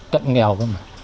cận nghèo thôi mà